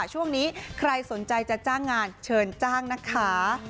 ช่วงนี้ใครสนใจจะจ้างงานเชิญจ้างนะคะ